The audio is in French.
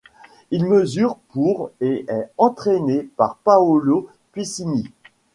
Il mesure pour et est entraîné par Paolo Piccini.